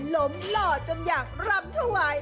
หล่อจนอยากรำถวาย